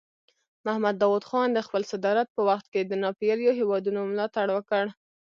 محمد داود خان د خپل صدارت په وخت کې د ناپېیلو هیوادونو ملاتړ وکړ.